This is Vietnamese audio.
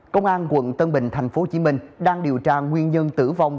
công an quận tân bình tp hcm đang điều tra nguyên nhân tử vong